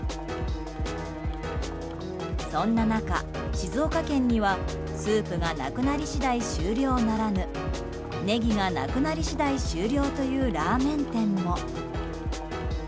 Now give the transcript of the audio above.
そんな中、静岡県にはスープがなくなり次第終了ならぬネギがなくなり次第終了というラーメン店も。